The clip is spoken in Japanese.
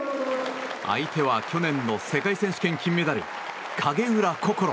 相手は去年の世界選手権金メダル影浦心。